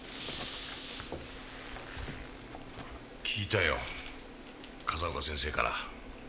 聞いたよ風丘先生から。